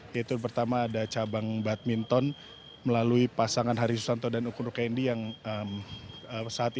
yaitu pertama ada cabang badminton melalui pasangan harisusanto dan ukur rukendi yang saatnya